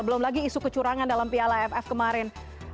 belum lagi isu kecurangan dalam piala aff kemarin